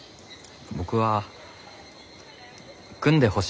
僕は組んでほしいけどね。